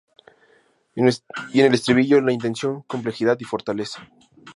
Y en el estribillo la intención: complejidad y fortaleza.